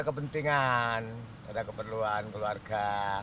kepentingan ada keperluan keluarga